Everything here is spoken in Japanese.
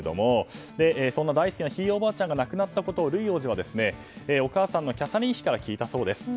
大好きなひいおばあちゃんが亡くなったことをルイ王子はお母さんのキャサリン妃から聞いたそうです。